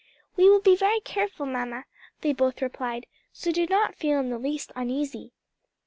"We will be very careful, mamma," they both replied, "so do not feel in the least uneasy."